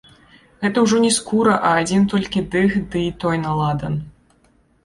Гэта ўжо не скура, а адзін толькі дых, ды і той на ладан.